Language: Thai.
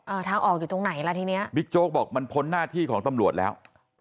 ทางออกอยู่ตรงไหนล่ะทีเนี้ยบิ๊กโจ๊กบอกมันพ้นหน้าที่ของตำรวจแล้ว